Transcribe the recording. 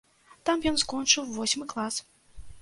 Там ён скончыў восьмы клас.